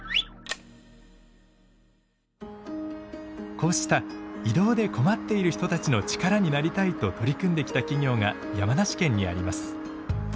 こうした移動で困っている人たちの力になりたいと取り組んできた企業が山梨県にあります。